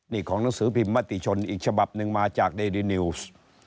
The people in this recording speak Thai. นี่ของหนังสือพิมพ์มติชนอีกฉบับหนึ่งมาจากเดรินิวส์